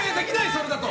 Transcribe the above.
それだと。